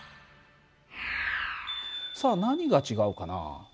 さあ何が違うかな？